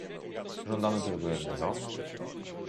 Żądamy tylko jednego